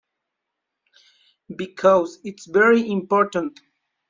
Because it’s very important.